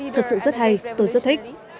thật sự rất hay tôi rất thích